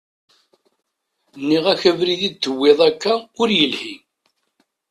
Nniɣ-ak abrid i d-tuwiḍ akka ur yelhi.